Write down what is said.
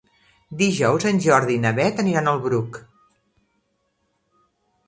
Dijous en Jordi i na Beth aniran al Bruc.